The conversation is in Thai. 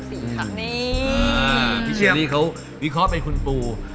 พี่เชียมเดี๋ยวนี้เขาวิเคราะห์เป็นคุณปู